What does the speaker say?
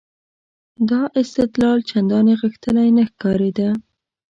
دا استدلال چندانې غښتلی نه ښکارېده.